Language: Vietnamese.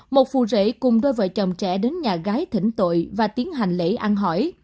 một phụ rễ cùng đôi vợ chồng trẻ đến nhà gái thỉnh tội và tiến hành lễ ăn hỏi